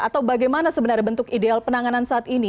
atau bagaimana sebenarnya bentuk ideal penanganan saat ini